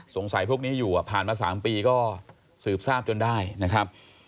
สงสัยพวกนี้อยู่อ่ะผ่านมา๓ปีก็สืบซาบจนได้นะครับ